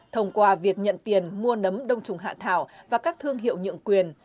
thông qua việc nhận tiền mua nấm đông trùng hạ thảo và các thương hiệu nhượng quyền